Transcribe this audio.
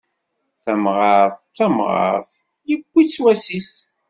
Tamɣart d tamɣart, yewwi-tt wass-is.